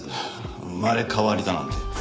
生まれ変わりだなんて。